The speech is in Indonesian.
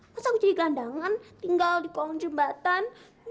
masa aku jadi gelandangan tinggal di kolong jembatan